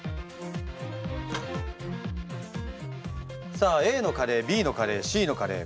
さあＡのカレーＢのカレーＣのカレー